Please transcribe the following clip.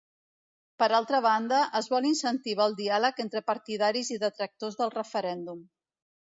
Per altra banda, es vol incentivar el diàleg entre partidaris i detractors del referèndum.